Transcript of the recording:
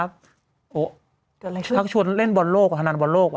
โอ๊ยเกิดอะไรขึ้นเขาก็ชวนเล่นบอลโลกอะธนาดบอลโลกอะ